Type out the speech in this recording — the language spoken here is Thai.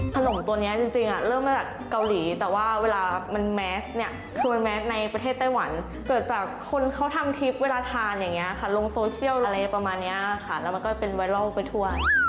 ขนมตัวนี้จริงเริ่มมาจากเกาหลีแต่ว่าเวลามันแมสเนี่ยคือมันแมสในประเทศไต้หวันเกิดจากคนเขาทำทริปเวลาทานอย่างนี้ค่ะลงโซเชียลอะไรประมาณนี้ค่ะแล้วมันก็เป็นไวรัลไปทั่ว